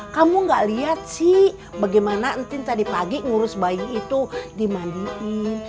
kamu gak lihat sih bagaimana entin tadi pagi ngurus bayi itu dimandiin